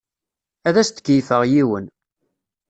Ad as-d-keyyfeɣ yiwen.